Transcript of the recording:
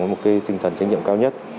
có một tinh thần trách nhiệm cao nhất